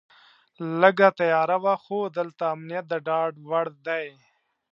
لږه تیاره وه خو دلته امنیت د ډاډ وړ دی.